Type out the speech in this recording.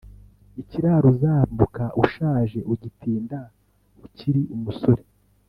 Ikiraro uzambuka ushaje ,ugitinda ukirki umusore